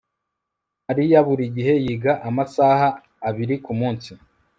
Mariya buri gihe yiga amasaha abiri kumunsi